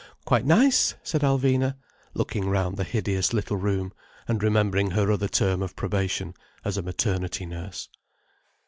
"Quite nice," said Alvina, looking round the hideous little room, and remembering her other term of probation, as a maternity nurse.